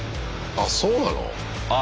あっそうなの？